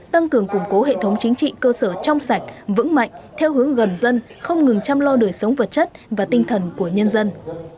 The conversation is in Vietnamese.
tăng cường củng cố hệ thống chính trị cơ sở trong sạch vững mạnh theo hướng gần dân không ngừng chăm lo đời sống vật chất và tinh thần của nhân dân